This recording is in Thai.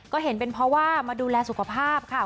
ก็เห็นเป็นเพราะว่ามาดูแลสุขภาพค่ะ